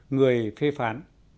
người phê phán